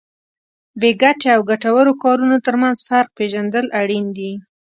بې ګټې او ګټورو کارونو ترمنځ فرق پېژندل اړین دي.